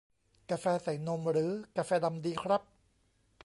กาแฟใส่นม หรือกาแฟดำดีครับ